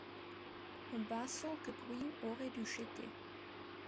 Un pinceau que Bruine aurait dû jeter.